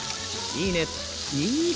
いいね。